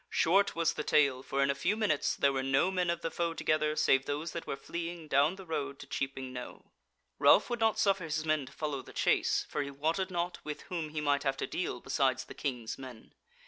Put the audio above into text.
Short was the tale, for in a few minutes there were no men of the foe together save those that were fleeing down the road to Cheaping Knowe. Ralph would not suffer his men to follow the chase, for he wotted not with whom he might have to deal besides the King's men.